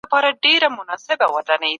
پوهانو د تېر او راتلونکي تر منځ اړيکه لټوله.